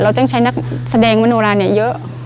ต้องใช้นักแสดงมโนราเนี่ยเยอะ